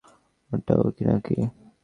ওটা ও নাকি?